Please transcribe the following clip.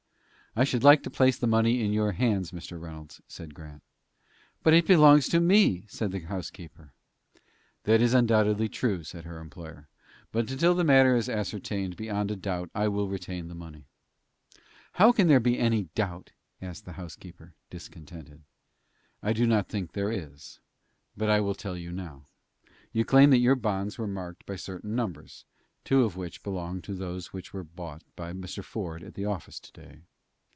"I should like to place the money in your hands, Mr. Reynolds," said Grant. "But it belongs to me," said the housekeeper. "That is undoubtedly true," said her employer; "but till the matter is ascertained beyond a doubt I will retain the money." "How can there be any doubt?" asked the housekeeper, discontented. "I do not think there is; but I will tell you now. You claim that your bonds were marked by certain numbers, two of which belong to those which were bought by Mr. Ford at the office to day?"